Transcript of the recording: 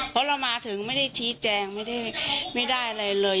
เพราะเรามาถึงไม่ได้ชี้แจงไม่ได้อะไรเลย